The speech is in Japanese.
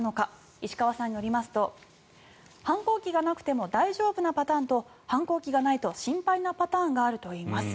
石川さんによりますと反抗期がなくても大丈夫なパターンと反抗期がないと心配なパターンがあるといいます。